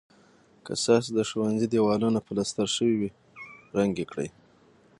که ستاسو د ښوونځي دېوالونه پلستر شوي وي رنګ یې کړئ.